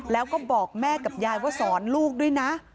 แล้วก็บอกแม่กับยายว่าสอนลูกด้วยนะ